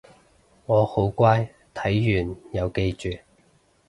我好乖睇完有記住